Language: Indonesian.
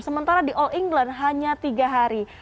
sementara di all england hanya tiga hari